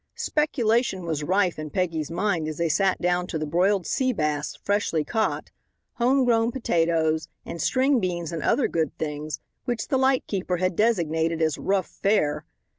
Speculation was rife in Peggy's mind as they sat down to the broiled sea bass, freshly caught, home grown potatoes and string beans and other good things which the light keeper had designated as "rough fare."